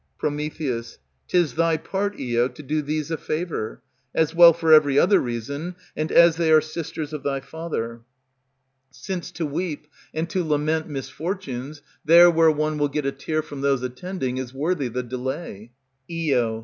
Pr. 'T is thy part, Io, to do these a favor, As well for every other reason, and as they are sisters of thy father. Since to weep and to lament misfortunes, There where one will get a tear From those attending, is worthy the delay. _Io.